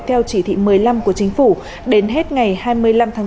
theo chỉ thị một mươi năm của chính phủ đến hết ngày hai mươi năm tháng bốn